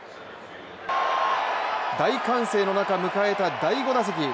大歓声の中、迎えた第５打席。